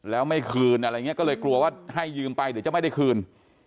แล้วไม่คืนอะไรอย่างนี้ก็เลยกลัวว่าให้ยืมไปเดี๋ยวจะไม่ได้คืน